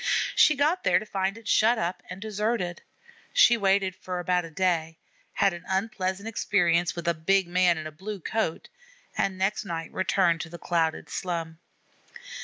She got there to find it shut up and deserted. She waited about for a day; had an unpleasant experience with a big man in a blue coat, and next night returned to the crowded slum.